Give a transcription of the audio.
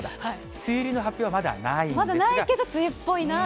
梅雨入りの発表はまだないんですまだないけど梅雨っぽいなっ